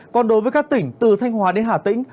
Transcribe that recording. còn đối với các tỉnh từ thanh hóa đến hà tĩnh